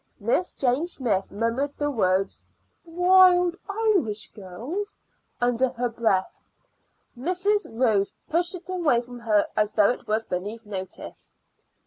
Miss Jane Smyth murmured the words "Wild Irish Girls" under her breath. Mrs. Ross pushed it away from her as though it was beneath notice.